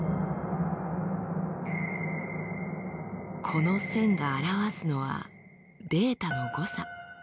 この線が表すのはデータの誤差。